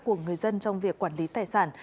của người dân trong việc quản lý tài sản